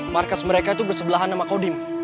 markas mereka itu bersebelahan sama kodim